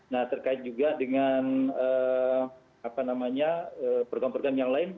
nah terkait juga dengan program program yang lain